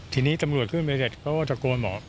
ทีนี้ตำรวจขึ้นไปเสร็จเขาก็ตะโกนบอก